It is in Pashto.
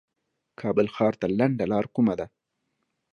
کابل ښار ته لنډه لار کومه ده